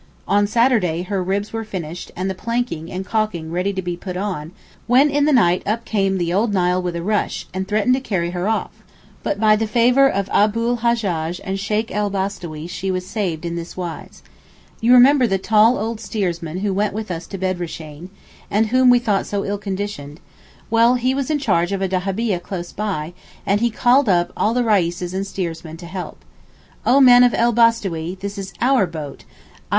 On Saturday all her ribs were finished, and the planking and caulking ready to be put on, when in the night up came the old Nile with a rush, and threatened to carry her off; but by the favour of Abu l Hajjaj and Sheykh el Bostawee she was saved in this wise. You remember the tall old steersman who went with us to Bedreeshayn, and whom we thought so ill conditioned; well, he was in charge of a dahabieh close by, and he called up all the Reises and steermen to help. 'Oh men of el Bostawee, this is our boat (_i.